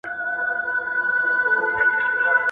منزلت سته.